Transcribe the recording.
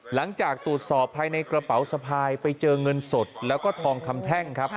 หลังจากตรวจสอบภายในกระเป๋าสะพายไปเจอเงินสดแล้วก็ทองคำแท่งครับ